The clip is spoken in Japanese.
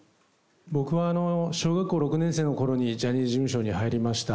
僕は小学校６年生のころにジャニーズ事務所に入りました。